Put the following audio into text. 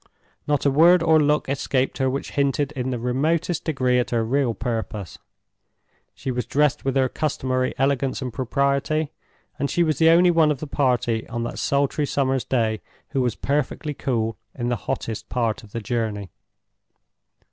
Not a word or look escaped her which hinted in the remotest degree at her real purpose. She was dressed with her customary elegance and propriety; and she was the only one of the party on that sultry summer's day who was perfectly cool in the hottest part of the journey.